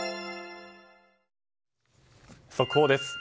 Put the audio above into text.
速報です。